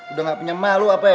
udah gak penyemah lu apa ya